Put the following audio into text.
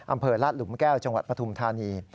อำเภอลาดหลุมแก้วจังหวัดปฐุมธานี